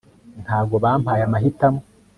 ntabwo bampaye amahitamo